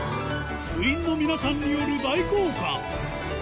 部員の皆さんによる大交換